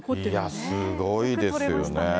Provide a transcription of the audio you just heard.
いやー、すごいですよね。